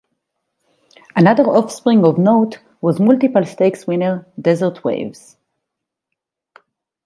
Another offspring of note was multiple stakes-winner Desert Waves.